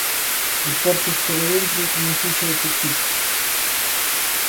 De portas para dentro non fixo autocrítica.